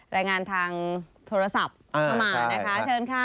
รายงานทางโทรศัพท์เข้ามานะคะเชิญค่ะ